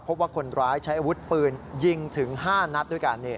พบว่าคนร้ายใช้อาวุธปืนยิงถึง๕นัดด้วยกัน